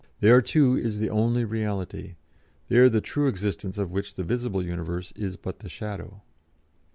There, too, is the only reality; there the true existence of which the visible universe is but the shadow.